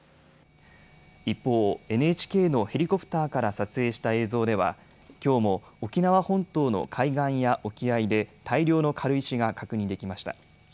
一方、ＮＨＫのヘリコプターから撮影した映像ではきょうも沖縄本島の海岸や沖合で大量の軽石が確認できました。